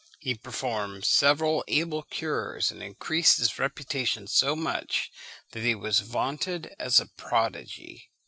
He performed several able cures, and increased his reputation so much that he was vaunted as a prodigy.